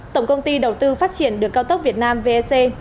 tổng công ty đầu tư phát triển đường cao tốc việt nam vec